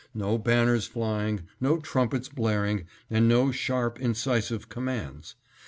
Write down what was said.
No banners flying, no trumpets blaring, and no sharp, incisive commands.